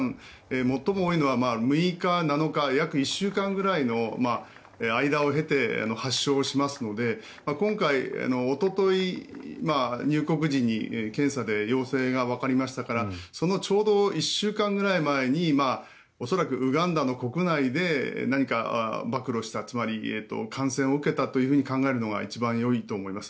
最も多いのは６日、７日約１週間ぐらいの間を経て発症しますので今回、おととい入国時に検査で陽性がわかりましたからそのちょうど１週間ぐらい前に恐らくウガンダの国内で何か、暴露したつまり感染を受けたと考えるのが一番よいと思います。